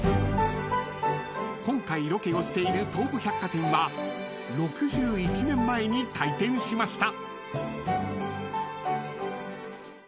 ［今回ロケをしている東武百貨店は６１年前に開店しました］